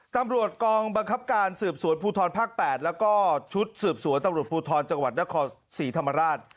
ตำรวจกองบังคับการสืบสวนภูทรภาค๘แล้วก็ชุดสืบสวนตำรวจภูทรจังหวัดนครศรีธรรมราช